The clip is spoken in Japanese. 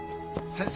先生！